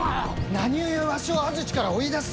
何故わしを安土から追い出す！